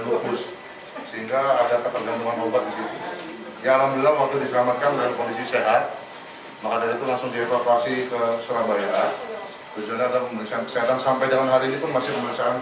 mereka mencari jaminan agar ayah korban segera membayar utang sebesar delapan puluh juta rupiah